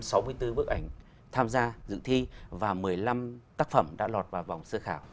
tổng số chín trăm sáu mươi bốn bước ảnh tham gia dự thi và một mươi năm tác phẩm đã lọt vào vòng sơ khảo